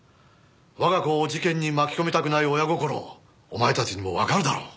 我が子を事件に巻き込みたくない親心お前たちにもわかるだろう。